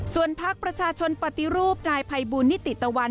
ส่วนพักประชาชนปฏิรูปนายภัยบูลนิติตะวัน